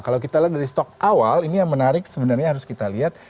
kalau kita lihat dari stok awal ini yang menarik sebenarnya harus kita lihat